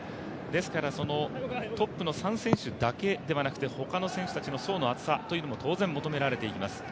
ですからトップの３選手だけではなくてほかの選手たちの層の厚さというのも当然求められていきます。